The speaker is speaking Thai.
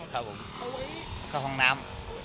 ขอบคุณนะครับ